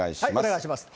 お願いします。